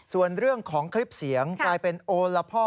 ส่วนเรื่องของคลิปเสียงกลายเป็นโอละพ่อ